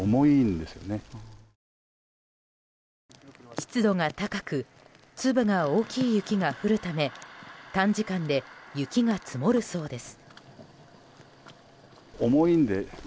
湿度が高く粒が大きい雪が降るため短時間で雪が積もるそうです。